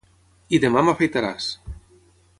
i demà m'afaitaràs!